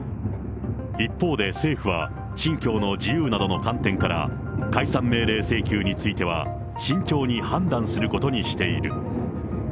一方で政府は、信教の自由などの観点から、解散命令請求については慎重に判断することにしている。